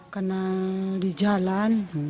kenal di jalan